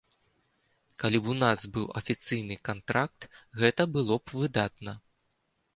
Калі б у нас быў афіцыйны кантракт, гэта было б выдатна!